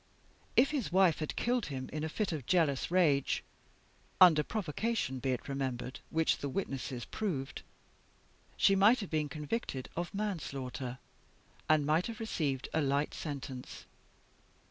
If his wife had killed him in a fit of jealous rage under provocation, be it remembered, which the witnesses proved she might have been convicted of manslaughter, and might have received a light sentence.